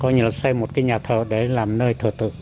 coi như là xây một cái nhà thờ để làm nơi thờ tự